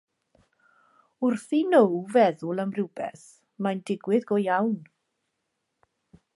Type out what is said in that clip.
Wrth i Now feddwl am rywbeth, mae'n digwydd go iawn.